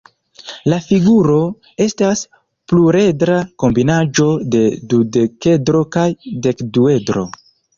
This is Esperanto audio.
La figuro estas pluredra kombinaĵo de dudekedro kaj dekduedro.